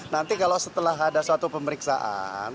nanti kalau setelah ada suatu pemeriksaan